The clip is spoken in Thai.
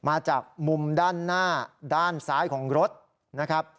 มาจากมุมด้านหน้าด้านซ้ายของรถนะครับ